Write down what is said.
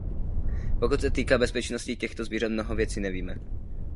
Pokud se týká bezpečnosti těchto zvířat, mnoho věcí nevíme.